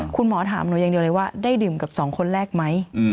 คุณหมอถามหนูอย่างเดียวเลยว่าได้ดื่มกับสองคนแรกไหม